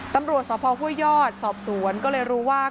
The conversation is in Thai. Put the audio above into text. ตำรวจสพยสอบสวนก็เลยรู้ว่า